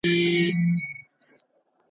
نن خوشحاله دل وجان رقم رقم دئ